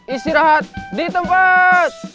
istirahat di tempat